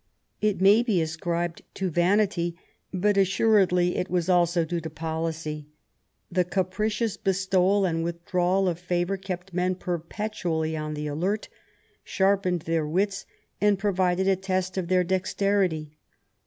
It may be ascribed to vanity, but assuredly it was also due to policy. The capricious bestowal and withdrawal of favour kept men perpetually on the alert, sharpened their wits, and provided a test of their dexterity.